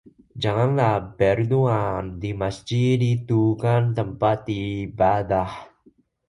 Janganlah berduaan di Masjid, itu kan tempat ibadah..